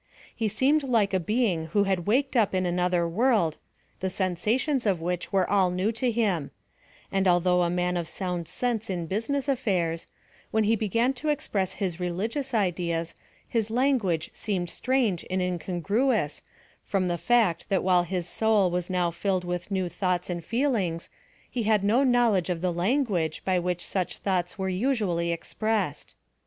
He seemed like a being who had waked up in another world the sensations of which were all new to him ; and al though a man of sound sense in business affairs, when he began to express his religious ideas, his language seemed strange and incongruous, from the fact that while his soul was now filled witli new thoughts and feelings, he had no knowledge of the language by which such thougiits are usually ex pressed.